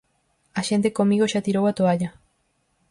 A xente comigo xa tirou a toalla.